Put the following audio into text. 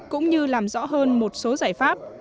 cũng như làm rõ hơn một số giải pháp